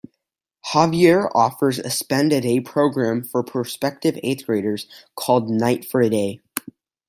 Xavier offers a spend-a-day program for prospective eighth graders called "Knight For A Day".